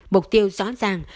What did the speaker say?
mục tiêu rõ ràng